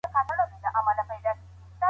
ژوند د ټولو لپاره یو ډول مقدس او الهي دی.